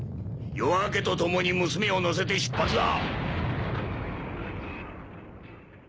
夜明けとともに娘を乗せて出発だ！